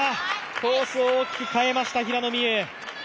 コースを大きく変えました、平野美宇。